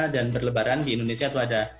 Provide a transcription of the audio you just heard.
dan berlebaran di indonesia itu ada